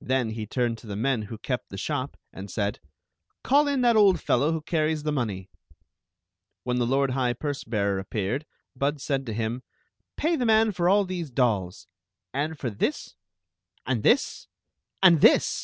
Then he turned to the men who kept the shop and said: " Call in that old fellow who carries the money." When the lord high purse bearer appeared, Bud said to him : "Pay the man for all these dolls; and for this— and this — and this — and this!"